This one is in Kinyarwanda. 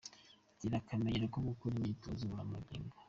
Gira akamenyero ko gukora imyitozo ngororangingo.